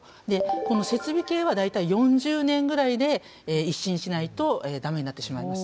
この設備系は大体４０年ぐらいで一新しないと駄目になってしまいます。